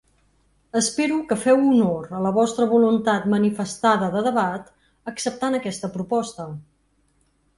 Espero que feu honor a la vostra voluntat manifestada de debat acceptant aquesta proposta.